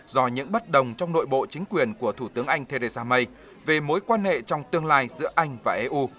do những bất đồng trong nội bộ chính quyền của thủ tướng anh theresa may về mối quan hệ trong tương lai giữa anh và eu